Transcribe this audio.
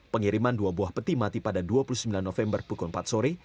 pengiriman dua buah peti mati pada dua puluh sembilan november pukul empat sore